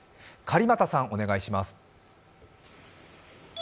狩股さん、お願いします。